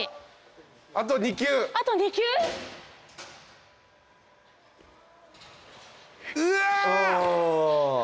あと２球？うわ！